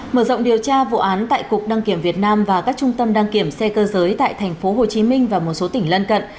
mở rộng điều tra vụ án tại cục đăng kiểm việt nam và các trung tâm đăng kiểm xe cơ giới tại tp hcm và một số tỉnh lân cận